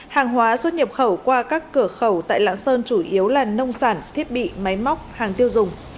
hàng hóa xuất nhập khẩu qua các cửa khẩu tại lạng sơn chủ yếu là nông sản thiết bị máy móc hàng tiêu dùng